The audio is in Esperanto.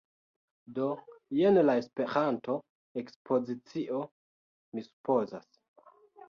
Do, jen la Esperanto-ekspozicio, mi supozas